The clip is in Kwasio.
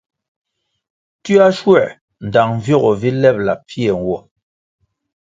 Tioa schuē ndtang vyogo vi lebʼla pfie nwo.